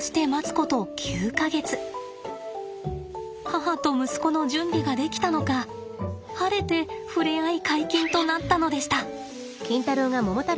母と息子の準備ができたのか晴れて触れ合い解禁となったのでした。